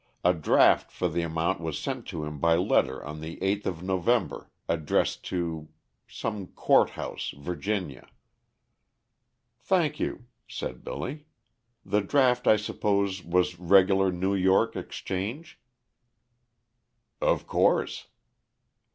A draft for the amount was sent to him by letter on the eighth of November, addressed to Court House, Virginia." "Thank you," said Billy. "The draft, I suppose, was regular New York Exchange?" "Of course."